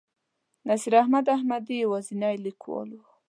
نصیر احمد احمدي یوازینی لیکوال و.